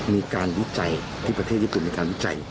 วิจัยที่ประเทศญี่ปุ่นมีการวิจัย